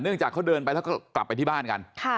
จากเขาเดินไปแล้วก็กลับไปที่บ้านกัน